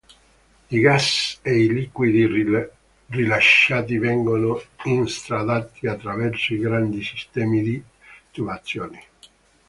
I gas e i liquidi rilasciati vengono instradati attraverso i grandi sistemi di tubazioni.